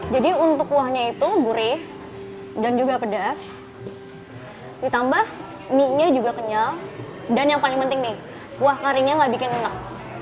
jadi untuk kuahnya itu burih dan juga pedas ditambah mie nya juga kenyal dan yang paling penting nih kuah karinya gak bikin enak